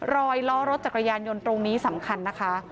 ล้อรถจักรยานยนต์ตรงนี้สำคัญนะคะ